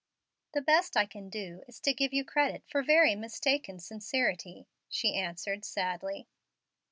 "The best I can do is to give you credit for very mistaken sincerity," she answered, sadly.